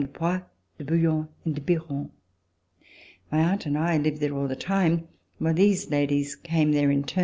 de Poix, de Bouillon and de Biron. My aunt and I lived there all the time, while these ladies came there in turn.